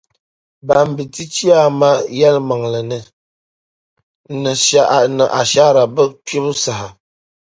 Ban bi ti chiyaama yɛlimaŋli ni niŋ ashaara bɛ kpibu saha.